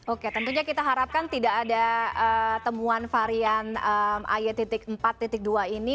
oke tentunya kita harapkan tidak ada temuan varian ay empat dua ini